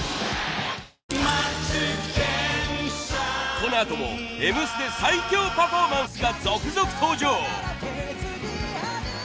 このあとも『Ｍステ』最強パフォーマンスが続々登場！